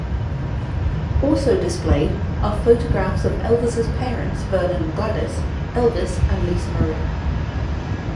Also displayed are photographs of Elvis' parents Vernon and Gladys, Elvis and Lisa Marie.